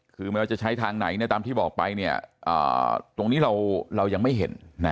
คือเราจะใช้ทางไหนเนี่ยตามที่บอกไปเนี่ยตรงนี้เรายังไม่เห็นนะฮะ